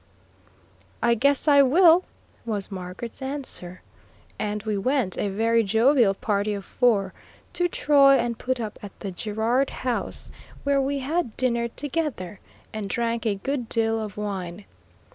"I guess I will," was Margaret's answer, and we went, a very jovial party of four, to Troy and put up at the Girard House, where we had dinner together, and drank a good deal of wine.